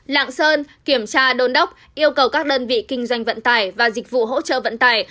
lạng sơn kiểm tra đôn đốc yêu cầu các đơn vị kinh doanh vận tải và dịch vụ hỗ trợ vận tải